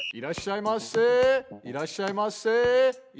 いらっしゃいませ！